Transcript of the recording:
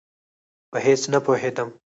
په هېڅ نه پوهېدم.